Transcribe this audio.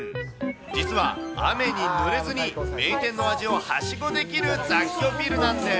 実は雨にぬれずに名店の味をはしごできる雑居ビルなんです。